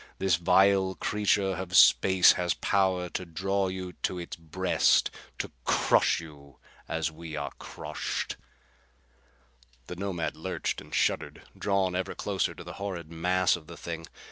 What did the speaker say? This vile creature of space has power to draw you to its breast, to crush you as we are crushed." The Nomad lurched and shuddered, drawn ever closer to the horrid mass of the thing.